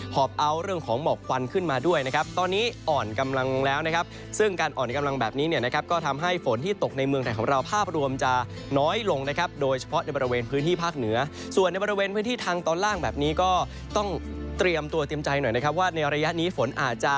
อบเอาเรื่องของหมอกควันขึ้นมาด้วยนะครับตอนนี้อ่อนกำลังลงแล้วนะครับซึ่งการอ่อนในกำลังแบบนี้เนี่ยนะครับก็ทำให้ฝนที่ตกในเมืองไทยของเราภาพรวมจะน้อยลงนะครับโดยเฉพาะในบริเวณพื้นที่ภาคเหนือส่วนในบริเวณพื้นที่ทางตอนล่างแบบนี้ก็ต้องเตรียมตัวเตรียมใจหน่อยนะครับว่าในระยะนี้ฝนอาจจะ